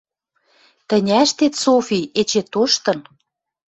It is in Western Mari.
Тӹнь ӓштет, Софи, эче тоштын